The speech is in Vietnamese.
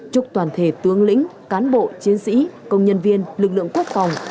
chúc toàn thể tướng lĩnh cán bộ chiến sĩ công nhân viên lực lượng quốc phòng